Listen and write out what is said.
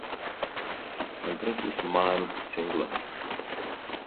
Antrasis Man singlas.